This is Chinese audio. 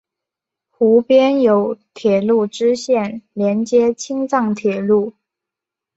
湖边有铁路支线连接青藏铁路。